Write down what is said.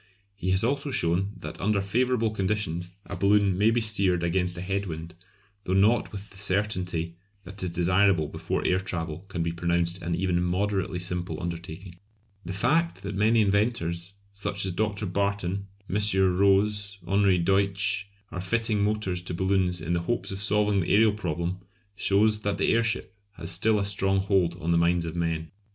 He has also shown that under favourable conditions a balloon may be steered against a head wind, though not with the certainty that is desirable before air travel can be pronounced an even moderately simple undertaking. The fact that many inventors, such as Dr. Barton, M. Roze, Henri Deutsch, are fitting motors to balloons in the hopes of solving the aërial problem shows that the airship has still a strong hold on the minds of men.